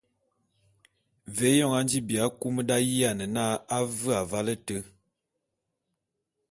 Ve éyoñ a nji bi akum d’ayiane na a ve avale éte.